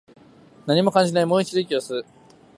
何も感じない、もう一度、息を吸う